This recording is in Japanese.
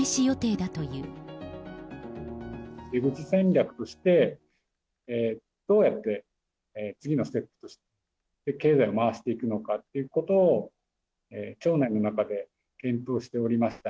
出口戦略として、どうやって次のステップ、経済を回していくかということを、庁内の中で検討しておりました。